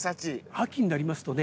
秋になりますとね